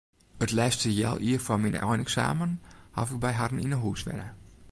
It lêste healjier foar myn eineksamen haw ik by harren yn 'e hûs wenne.